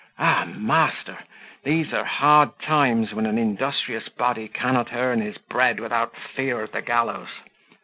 Ah, master! These are hard times, when an industrious body cannot earn his bread without fear of the gallows.